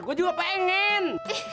gua juga pengen